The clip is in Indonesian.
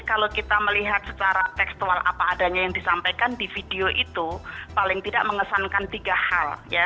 kalau kita melihat secara tekstual apa adanya yang disampaikan di video itu paling tidak mengesankan tiga hal